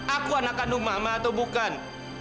aku anak kandung mama atau bukan